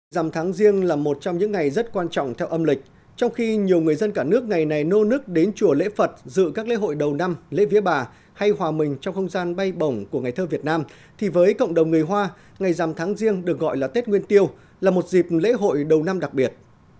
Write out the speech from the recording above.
dằm tháng riêng là một trong những ngày rất quan trọng theo âm lịch trong khi nhiều người dân cả nước ngày này nô nức đến chùa lễ phật dự các lễ hội đầu năm lễ vía bà hay hòa mình trong không gian bay bổng của ngày thơ việt nam thì với cộng đồng người hoa ngày rằm tháng riêng được gọi là tết nguyên tiêu là một dịp lễ hội đầu năm đặc biệt